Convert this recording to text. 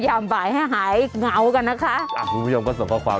อย่าไปหายหายเงากันนะคะอะคุณผู้ชมก็ส่งรอบความ